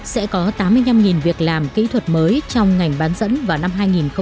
sẽ có tám mươi năm việc làm kỹ thuật mới trong ngành bán dẫn vào năm hai nghìn hai mươi